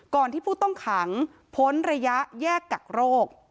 ที่ผู้ต้องขังพ้นระยะแยกกักโรค